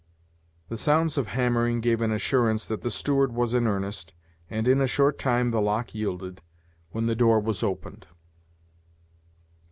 The sounds of hammering gave an assurance that the steward was in earnest, and in a short time the lock yielded, when the door was opened.